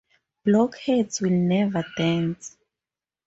Blockheads will never dance!